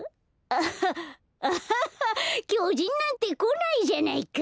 アハッアハハッきょじんなんてこないじゃないか！